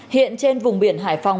hiện trên vùng biển hải phòng